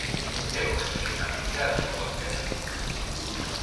დეკორში შეტანილია როკოკოს ელემენტებიც.